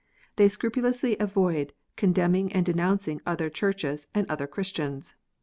They scrupulously avoid condemning and denouncing other Churches and other Christians.